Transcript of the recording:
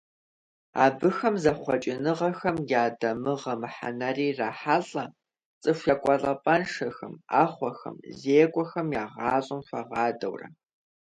Абыхэм зэхъуэкӀыныгъэхэм я дамыгъэ мыхьэнэри ирахьэлӀэ, цӀыху екӀуэлӀапӀэншэхэм, Ӏэхъуэхэм, зекӀуэхэм я гъащӀэм хуагъадэурэ.